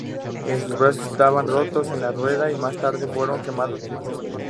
Sus brazos estaban rotos en la rueda, y más tarde fueron quemados vivos.